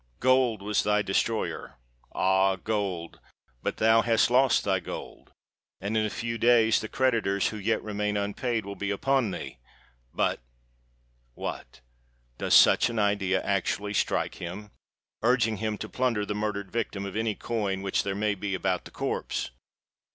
gold was thy destroyer! Ah! gold—but thou hast lost thy gold,—and in a few days the creditors who yet remain unpaid, will be upon thee! But—— What!—does such an idea actually strike him?—urging him to plunder the murdered victim of any coin which there may be about the corpse!